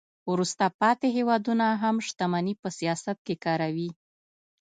وروسته پاتې هیوادونه هم شتمني په سیاست کې کاروي